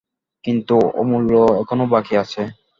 কিন্তু, অমূল্য, এখনো বাকি আছে।